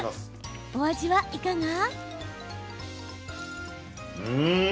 お味はいかが？